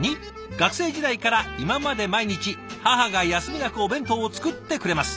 「学生時代から今まで毎日母が休みなくお弁当を作ってくれます。